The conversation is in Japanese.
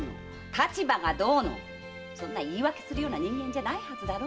“立場がどうの”そんな言い訳するような人間じゃないはずだろ？